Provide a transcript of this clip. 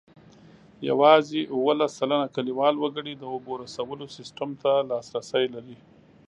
یوازې اوولس سلنه کلیوال وګړي د اوبو رسولو سیسټم ته لاسرسی لري.